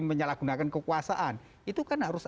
menyalahgunakan kekuasaan itu kan harus